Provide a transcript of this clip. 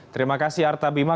terima kasih arta bima